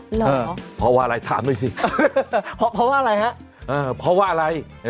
เหรอเพราะว่าอะไรถามหน่อยสิเพราะว่าอะไรฮะเพราะว่าอะไร